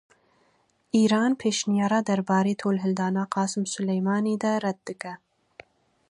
Îran pêşniyarara derbarê tohildana Qasim Sulêymanî de red dike.